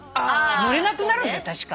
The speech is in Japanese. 乗れなくなるんだよ確か。